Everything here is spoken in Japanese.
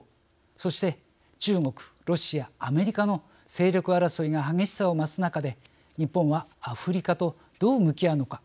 そして中国、ロシア、アメリカの勢力争いが激しさを増す中で日本はアフリカと、どう向き合うのか。